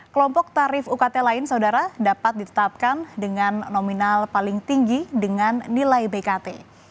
kelompok tarif ukt lain saudara dapat ditetapkan dengan nominal paling tinggi dengan nilai bkt